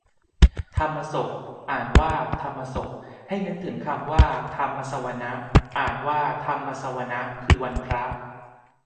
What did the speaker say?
ธรรมสพน์ อ่านว่าทำมะสบ ให้นึกถึงคำว่า ธรรมสวนะ อ่านว่าทำมะสะวะนะ คือวันพระ